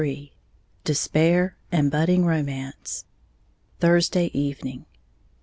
XXIII DESPAIR, AND BUDDING ROMANCE _Thursday Evening.